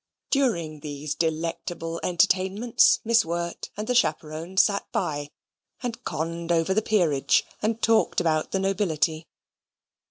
During these delectable entertainments, Miss Wirt and the chaperon sate by, and conned over the peerage, and talked about the nobility.